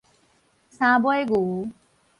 三尾牛